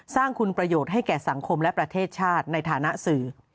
สร้างคุณประโยชน์ให้แก่สังคมและประเทศชาติในฐานะสื่อ